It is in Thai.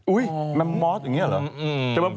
อุ้ยมันมอดอย่างนี้เหรอ